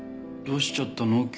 どうしちゃったの？